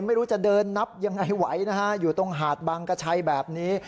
ไม่รู้จะเดินนับยังไงไหวนะฮะอยู่ตรงหาดบางกระชัยแบบนี้